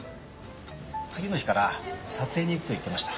次の日から撮影に行くと言ってました。